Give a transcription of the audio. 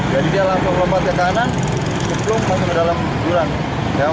jadi dia langsung lompat ke kanan sebelum masuk ke dalam jurang